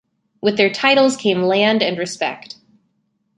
With their titles came land and respect.